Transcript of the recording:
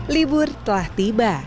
libur telah tiba